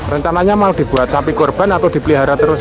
rencananya mau dibuat sapi korban atau dipelihara terus